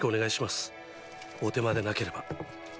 お手間でなければ。